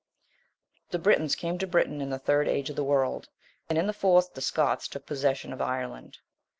The Britons came to Britain in the third age of the world; and in the fourth, the Scots took possession of Ireland.